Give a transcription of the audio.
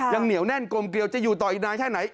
เหนียวแน่นกลมเกลียวจะอยู่ต่ออีกนานแค่ไหน